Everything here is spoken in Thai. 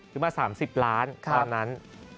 ซื้อมา๓๐ล้านตอนนั้น